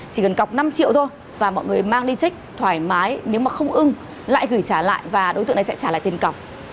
chỉ cần cọc năm triệu thôi và mọi người mang đi trích thoải mái nếu mà không ưng lại gửi trả lại và đối tượng này sẽ trả lại tiền cọc